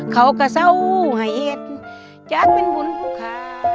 เขาก็เศร้าให้เอ็ดจากเป็นบุญคุณค่ะ